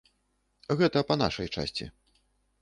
Гэта па нашай часці.